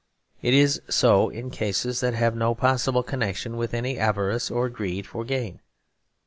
It is so in cases that have no possible connection with any avarice or greed for gain.